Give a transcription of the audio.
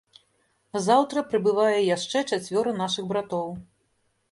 Заўтра прыбывае яшчэ чацвёра нашых братоў.